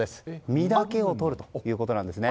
実だけをとるということです。